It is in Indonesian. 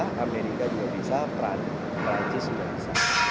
jepang juga bisa perancis juga bisa